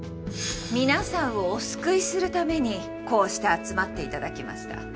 皆さんをお救いするためにこうして集まって頂きました。